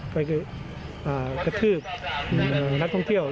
ใครเคยอ่ากระทืบอืมนักท่องเที่ยว